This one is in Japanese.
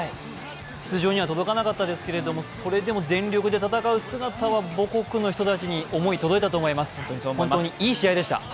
出場には届かなかったですけれども、それでも全力で戦う姿は母国の人たちに、思い、届いたと思います、いい試合でした。